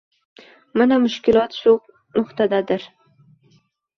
Mana mushkilot shu nuqtadadir.